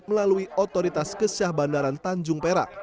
melalui otoritas kesyah bandaran tanjung perak